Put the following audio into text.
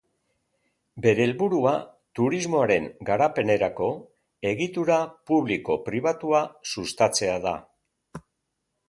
Bere helburua turismoaren garapenerako egitura publiko-pribatua sustatzea da.